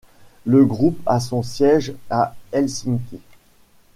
Le groupe a son siège à Helsinki.